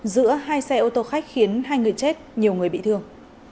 giữa hai xe ô tô khách khiến hai người chết nhiều người bị thương